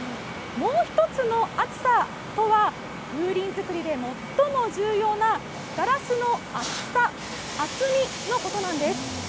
もう一つのあつさとは、風鈴作りで最も重要なガラスの厚さ、厚みのことなんです。